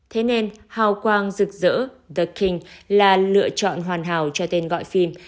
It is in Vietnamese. thế nên hào quang rực rỡ the king là lựa chọn hoàn hảo cho tên gọi phim